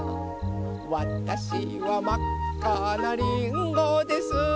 「わたしはまっかなリンゴです」